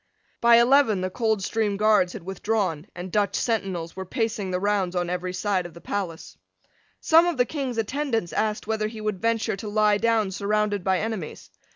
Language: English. By eleven the Coldstream Guards had withdrawn; and Dutch sentinels were pacing the rounds on every side of the palace. Some of the King's attendants asked whether he would venture to lie down surrounded by enemies.